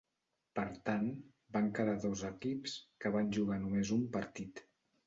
Per tant, van quedar dos equips, que van jugar només un partit.